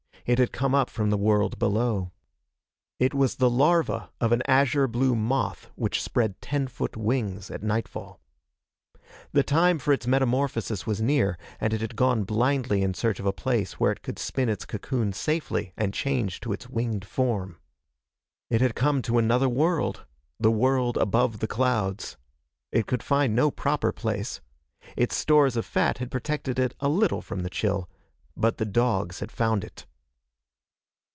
It had come up from the world below. It was the larva of an azure blue moth which spread ten foot wings at nightfall. The time for its metamorphosis was near, and it had gone blindly in search of a place where it could spin its cocoon safely and change to its winged form. It had come to another world the world above the clouds. It could find no proper place. Its stores of fat had protected it a little from the chill. But the dogs had found it.